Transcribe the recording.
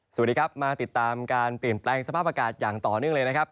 สวัสดีครับมาติดตามการเปลี่ยนแปลงสภาพอากาศอย่างต่อเนื่องเลยนะครับ